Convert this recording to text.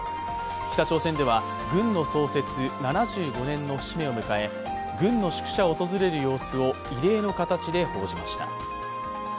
北朝鮮では軍の創設７５年の節目を迎え軍の宿舎を訪れる様子を異例の形で報じました。